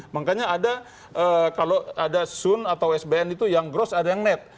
makanya ada kalau ada sun atau sbn itu yang gross ada yang net